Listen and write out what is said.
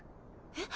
えっ？